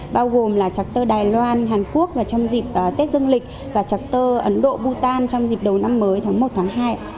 bao gồm là trạc tơ đài loan hàn quốc trong dịp tết dương lịch và trạc tơ ấn độ bhutan trong dịp đầu năm mới tháng một hai